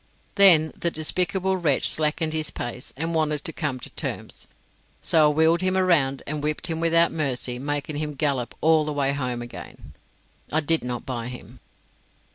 Then the despicable wretch slackened his pace, and wanted to come to terms. So I wheeled him round and whipped him without mercy, making him gallop all the way home again. I did not buy him.